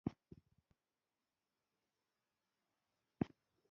دوی ټول لڅې پښې نه ګرځېدل.